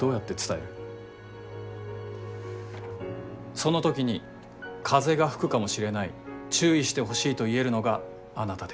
その時に「風が吹くかもしれない注意してほしい」と言えるのがあなたです。